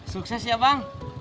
sukses ya bang